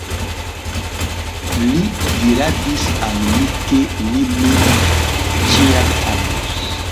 Li diradis al mi, ke li min ĉiam amos.